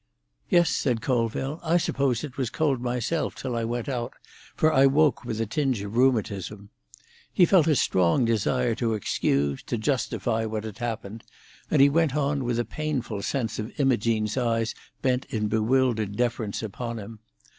"Yes," said Colville, "I supposed it was cold myself till I went out, for I woke with a tinge of rheumatism." He felt a strong desire to excuse, to justify what had happened, and he went on, with a painful sense of Imogene's eyes bent in bewildered deference upon him.